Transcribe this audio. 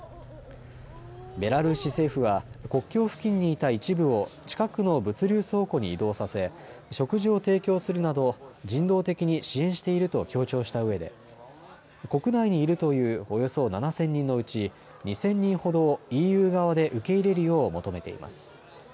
ベラルーシ政府は国境付近にいた一部を近くの物流倉庫に移動させ食事を提供するなど人道的に支援していると強調したうえで国内にいるというおよそ７０００人のうち２０００人ほどをＥＵ側で受け入れるよう求めています。